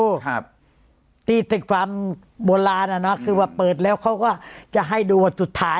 ครับที่ตึกความโบราณอ่ะเนอะคือว่าเปิดแล้วเขาก็จะให้ดูวันสุดท้าย